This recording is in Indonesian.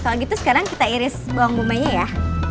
kalau gitu sekarang kita iris bawang bumi nya ya